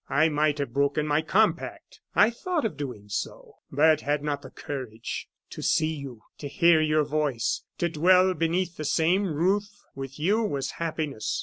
I might have broken my compact! I thought of doing so, but had not the courage. To see you, to hear your voice, to dwell beneath the same roof with you, was happiness.